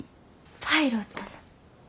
パイロットの。